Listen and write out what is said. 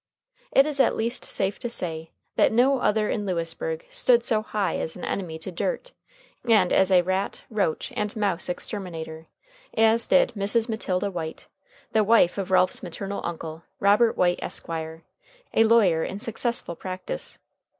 It is at least safe to say that no other in Lewisburg stood so high as an enemy to dirt, and as a "rat, roach, and mouse exterminator," as did Mrs. Matilda White, the wife of Ralph's maternal uncle, Robert White, Esq., a lawyer in successful practice.